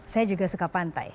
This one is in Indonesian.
saya juga suka pantai